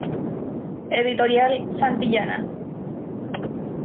Editorial Santillana.